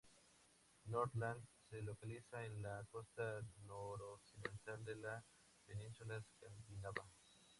Nordland se localiza en la costa noroccidental de la península escandinava.